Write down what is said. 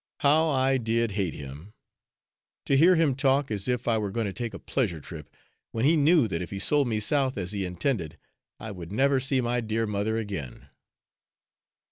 How I did hate him! To hear him talk as if I were going to take a pleasure trip, when he knew that if he sold me South, as he intended, I would never see my dear mother again.